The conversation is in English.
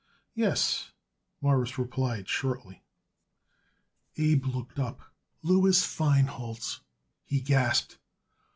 "Yes," Morris replied shortly. Abe looked up. "Louis Feinholz!" he gasped.